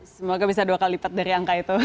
semoga bisa dua kali lipat dari angka itu